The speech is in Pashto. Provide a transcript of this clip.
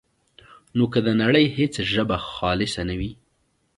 نو که د نړۍ هېڅ ژبه خالصه نه وي،